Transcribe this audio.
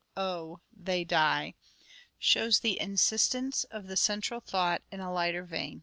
oh ! they die," shows the insistence of the central thought in a lighter vein.